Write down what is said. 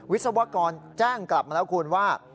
วิศวกรแจ้งกลับมาแล้วคุณว่า